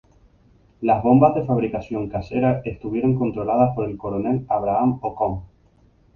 Las bombas de fabricación casera estuvieron controladas por el Coronel Abraham Ocón.